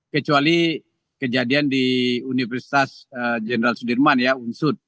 kecuali kejadian di universitas jenderal sudirman ya unsud